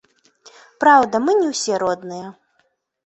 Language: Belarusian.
Праўда, мы не ўсе родныя.